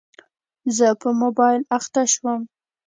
زه په موبایل اخته شوم.